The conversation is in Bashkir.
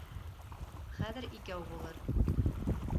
Хәҙер икәү булыр.